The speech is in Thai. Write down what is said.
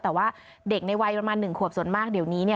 แต่ว่าเด็กในวัยประมาณ๑ขวบส่วนมากเดี๋ยวนี้เนี่ย